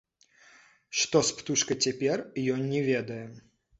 Што з птушкай цяпер, ён не ведае.